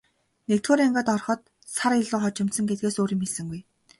Нэгдүгээр ангид ороход сар илүү хожимдсон гэдгээс өөр юм хэлсэнгүй.